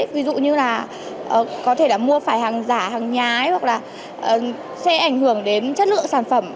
ví dụ như là có thể là mua phải hàng giả hàng nhái hoặc là sẽ ảnh hưởng đến chất lượng sản phẩm